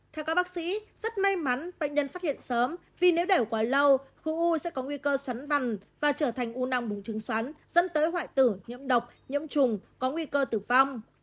theo các bác sĩ rất may mắn bệnh nhân phát hiện sớm vì nếu đẻo quá lâu khối u sẽ có nguy cơ xoắn vằn và trở thành u nòng búng trứng xoắn dẫn tới hoại tử nhiễm độc nhiễm trùng có nguy cơ tử vong